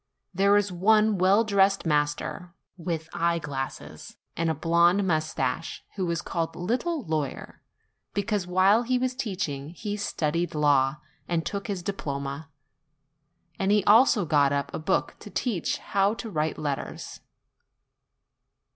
There is one welldressed master, with eye glasses, and a blonde moustache, who is called the little lawyer, because, while he was teaching, he studied law and took his diploma; and he also got up a book to teach how to write letters.